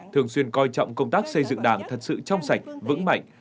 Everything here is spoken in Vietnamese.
thường xuyên coi trọng công tác xây dựng đảng thật sự trong sạch vững mạnh